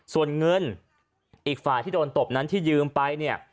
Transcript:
ส่วนเงินอีกฝ่ายที่โดนตบนั้นที่ยืมไปเนี่ย